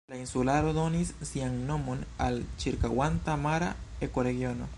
La insularo donis sian nomon al ĉirkaŭanta mara ekoregiono.